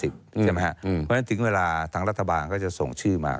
เพราะฉะนั้นถึงเวลาทางรัฐบาลก็จะส่งชื่อมา